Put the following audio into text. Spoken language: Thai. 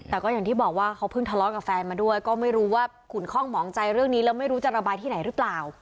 แต่ก็อย่างที่บอกว่าเขาเพิ่งทะเลาะกับแฟนมาด้วยก็ไม่รู้ว่าขุนคล่องหมองใจเรื่องนี้แล้วไม่รู้จะระบายที่ไหนหรือเปล่า